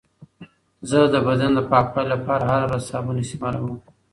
زه د بدن د پاکوالي لپاره هره ورځ صابون استعمالوم.